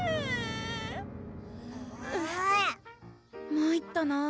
まいったなぁ